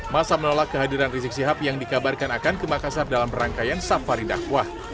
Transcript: masa menolak kehadiran rizik sihab yang dikabarkan akan ke makassar dalam rangkaian safari dakwah